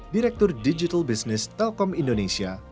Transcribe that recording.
direktur digital business telkom indonesia